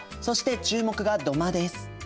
そして注目が土間です。